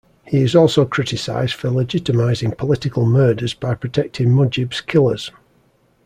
He is also criticized for legitimizing political murders by protecting Mujib's killers.